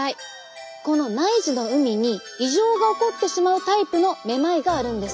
この内耳の海に異常が起こってしまうタイプのめまいがあるんです。